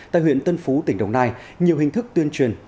tại huyện tân phú tỉnh đồng nai nhiều hình thức tuyên truyền